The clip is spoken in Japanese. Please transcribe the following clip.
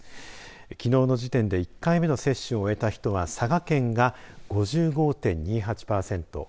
きのうの時点で１回目の接種を終えた人は佐賀県が５５．２８パーセント。